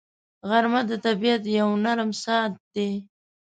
غرمه د طبیعت یو نرم ساعت دی